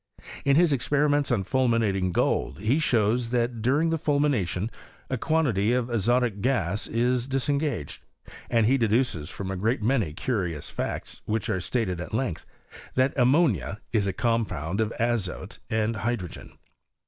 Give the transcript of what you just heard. In his experiments on fulminating gold he shows, that during the fulmination a quantity of azotic gas is disengaged; and he deduces from a great many curious facts, which are stated at length, that am monia is a compound of azote and hydrogen.